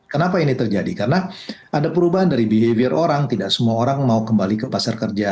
kenapa ini terjadi karena ada perubahan dari behavior orang tidak semua orang mau kembali ke pasar kerja